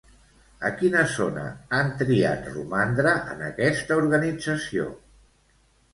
A quina zona han triat romandre en aquesta organització?